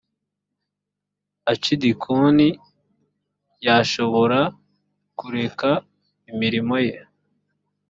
acidikoni yashobora kureka imirimo ye